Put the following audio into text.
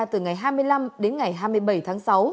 từ ngày hai mươi năm đến ngày hai mươi bảy tháng sáu